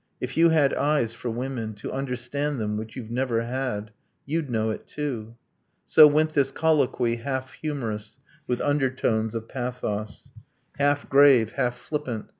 If you had eyes, for women To understand them which you've never had You'd know it too ...' So went this colloquy, Half humorous, with undertones of pathos, Half grave, half flippant